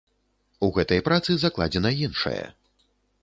У гэтай працы закладзена іншае.